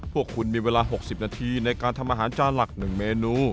พวกคุณมีเวลา๖๐นาทีในการทำอาหารจานหลัก๑เมนู